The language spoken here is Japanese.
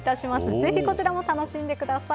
ぜひ、こちらも楽しんでください。